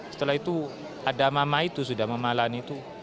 setelah itu ada mama itu mama lani itu